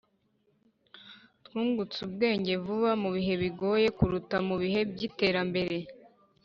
twungutse ubwenge vuba mubihe bigoye kuruta mubihe byiterambere.